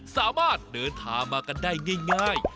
สามารถเดินทางมากันได้ง่าย